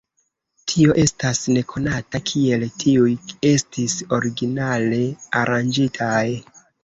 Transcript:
Tio estas nekonata, kiel tiuj estis originale aranĝitaj.